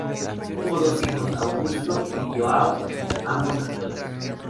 Tuvo dos hijos Augusto y João, ambos actores.